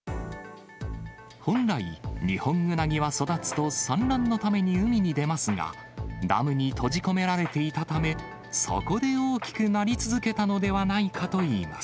本来、ニホンウナギは育つと産卵のために海に出ますが、ダムに閉じ込められていたため、そこで大きくなり続けたのではないかといいます。